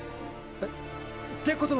えっ？ってことは。